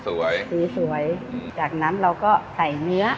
สีสวยจากนั้นเราก็ใส่เนื้อ